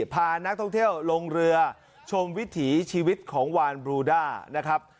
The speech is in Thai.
พานักท่องเที่ยวลงเรือชมวิถีชีวิตของวานบรูด้านะครับ